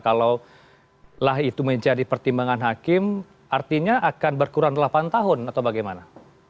kalau lah itu menjadi pertimbangan hakim artinya akan berkurang delapan tahun atau bagaimana